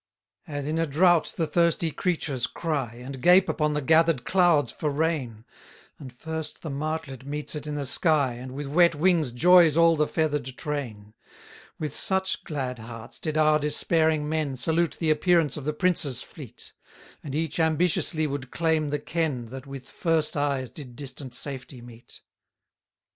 110 As in a drought the thirsty creatures cry, And gape upon the gather'd clouds for rain, And first the martlet meets it in the sky, And with wet wings joys all the feather'd train. 111 With such glad hearts did our despairing men Salute the appearance of the prince's fleet; And each ambitiously would claim the ken, That with first eyes did distant safety meet.